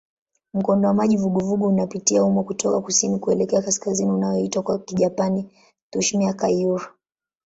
Mkondo wa maji vuguvugu unapita humo kutoka kusini kuelekea kaskazini unaoitwa kwa Kijapani "Tsushima-kairyū".